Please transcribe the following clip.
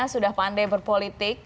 sudah pandai berpolitik